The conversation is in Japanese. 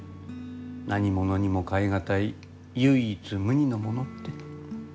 何物にも代え難い唯一無二のものって。